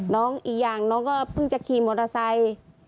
อีกอย่างน้องก็เพิ่งจะขี่มอเตอร์ไซค์